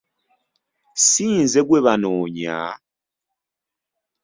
Si nze gwe banoonya!